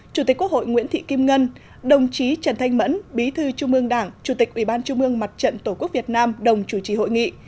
chủ tịch quốc hội nguyễn thị kim ngân đồng chí trần thanh mẫn bí thư trung mương đảng chủ tịch ubndtqvn đồng chủ trì hội nghị